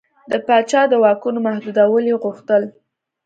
د پاچا د واکونو محدودول یې غوښتل.